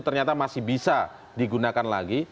ternyata masih bisa digunakan lagi